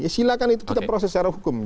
silahkan itu kita proses secara hukum